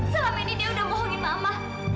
selama ini dia udah bohongin mama